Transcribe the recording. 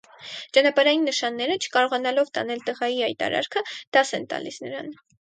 Ճանապարհային նշանները, չկարողանալով տանել տղայի այդ արարքը, դաս են տալիս նրան։